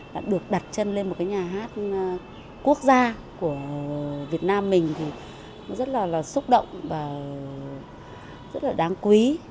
đã được đặt chân lên một cái nhà hát quốc gia của việt nam mình thì rất là xúc động và rất là đáng quý